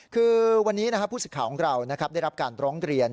คือวันนี้ผู้สิทธิ์ของเราได้รับการร้องเรียน